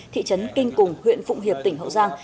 thị trấn kinh cùng huyện phụng hiệp tỉnh hậu giang